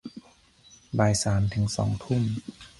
บ่ายสามถึงสองทุ่ม